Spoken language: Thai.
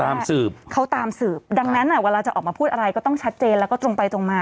สืบเขาตามสืบดังนั้นอ่ะเวลาจะออกมาพูดอะไรก็ต้องชัดเจนแล้วก็ตรงไปตรงมา